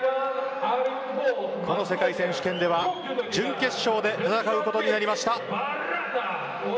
この世界選手権では準決勝で戦うことになりました。